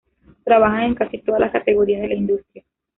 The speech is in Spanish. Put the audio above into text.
Trabajan en casi todas las categorías de la industria.